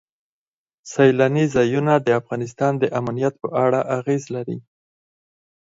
سیلاني ځایونه د افغانستان د امنیت په اړه اغېز لري.